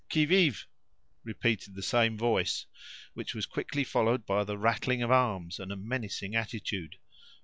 "Qui vive?" repeated the same voice, which was quickly followed by the rattling of arms, and a menacing attitude.